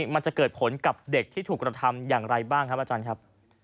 มันจะเกิดผลกับเด็กที่ถูกกระทำอย่างไรบ้างครับอาจารย์ครับ